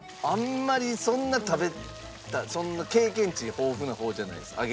あんまりそんな食べた経験値豊富な方じゃないです